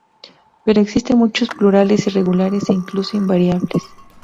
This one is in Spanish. Pero existen muchos plurales irregulares e incluso invariables.